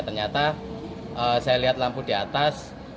ternyata saya lihat lampu di atas